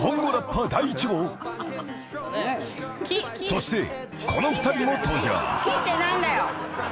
［そしてこの２人も登場］